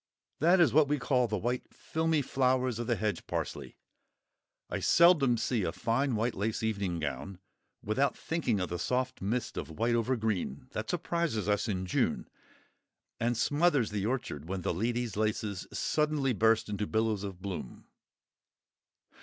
That is what we call the white filmy flowers of the hedge parsley. I seldom see a fine white lace evening gown without thinking of the soft mist of white over green that surprises us in June, and smothers the orchard when the Lady's Laces suddenly burst into billows of bloom.